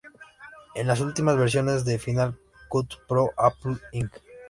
En las últimas versiones de Final Cut Pro, Apple Inc.